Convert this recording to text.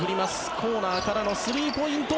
コーナーからのスリーポイント。